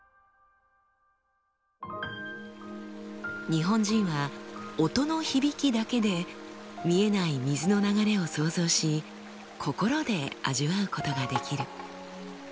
日本人は音の響きだけで見えない水の流れを想像し心で味わうことができる。